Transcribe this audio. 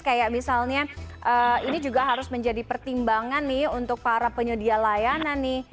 kayak misalnya ini juga harus menjadi pertimbangan nih untuk para penyedia layanan nih